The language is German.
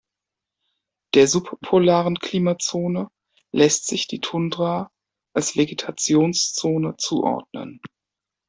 Der subpolaren Klimazone lässt sich die Tundra als Vegetationszone zuordnen.